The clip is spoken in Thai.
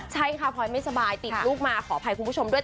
ใช่ค่ะพลอยไม่สบายติดลูกมาขออภัยคุณผู้ชมด้วย